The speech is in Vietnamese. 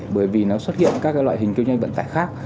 bởi vì nó xuất hiện các loại hình kinh doanh vận tải khác